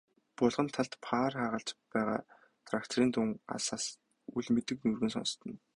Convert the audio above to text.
Булган талд паар хагалж байгаа тракторын дуун алсаас үл мэдэг нүргэн сонстоно.